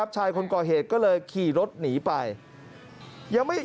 ชายคนเกาะเหตุก็เลยขี่รถหนีไป